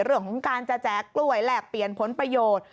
เรื่องของการจะแจกกล้วยแลกเปลี่ยนผลประโยชน์